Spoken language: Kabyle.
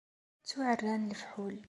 Ttuɛerran lefḥul.